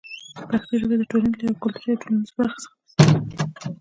پښتو ژبه د ټولنې له یوې کلتوري او ټولنیزې برخې څخه ده.